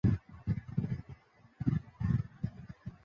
其后史书事迹不载。